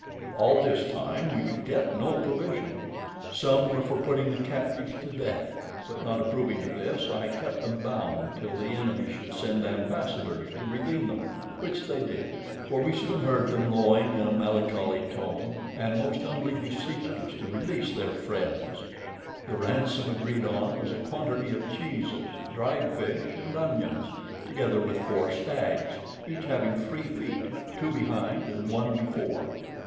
All this time we could get no provision. Some were for putting the captives to death, but not approving of this, I kept them bound till the enemy should send ambassadors to redeem them, which they did; for we soon heard them lowing in a melancholy tone, and most humbly beseeching us to release their friends. The ransom agreed on was a quantity of cheeses, dried fish, and onions, together with four stags, each having three feet, two behind and one before.